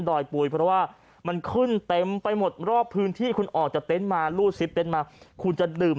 ด่วยปุ๋ยเพราะว่ามันขึ้นเต็มไปหมดรอบพื้นที่คืนออกก็เป็นมายู้สิบเต็นมาคุณจะดื่ม